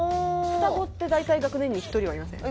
双子って大体学年に一人はいません？